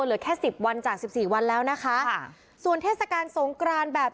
เหลือแค่สิบวันจากสิบสี่วันแล้วนะคะค่ะส่วนเทศกาลสงกรานแบบ